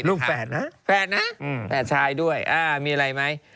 ลูกแฝนนะแฝนชายด้วยมีอะไรไหม